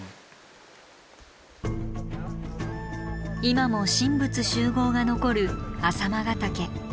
今も神仏習合が残る朝熊ヶ岳。